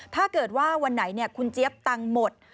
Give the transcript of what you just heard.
ถ้าเกิดว่าวันไหนคุณเจี๊ยบตังค์หมด